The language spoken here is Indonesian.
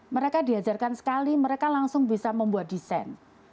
mereka diajarkan sekali mereka langsung bisa membuat desain